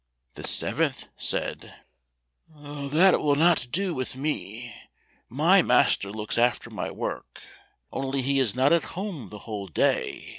The seventh said, "That will not do with me; my master looks after my work, only he is not at home the whole day.